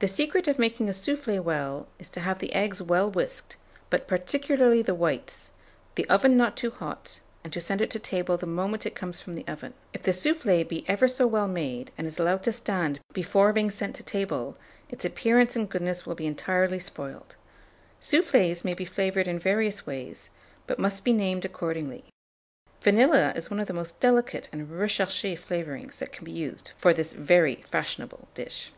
The secret of making a soufflé well, is to have the eggs well whisked, but particularly the whites, the oven not too hot, and to send it to table the moment it comes from the oven. If the soufflé be ever so well made, and it is allowed to stand before being sent to table, its appearance and goodness will be entirely spoiled. Soufflés may be flavoured in various ways, but must be named accordingly. Vanilla is one of the most delicate and recherché flavourings that can be used for this very fashionable dish.